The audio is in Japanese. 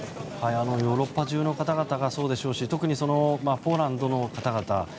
ヨーロッパ中の方々がそうでしょうし特にポーランドの方々。